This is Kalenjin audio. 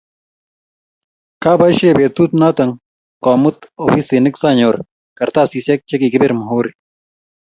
Kabaishe betut noto komut ofisinik sanyor kartasisiek chikikipir mhuri.